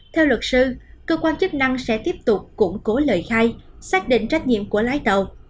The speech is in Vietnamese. theo luật sư cơ quan chức năng sẽ tiếp tục củng cố lời khai xác định trách nhiệm của lái tàu